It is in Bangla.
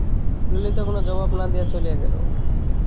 ললিতা কোনো জবাব না দিয়া চলিয়া গেল।